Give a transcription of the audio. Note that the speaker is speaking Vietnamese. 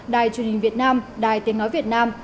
đài truyền hình việt nam đài tiếng nói việt nam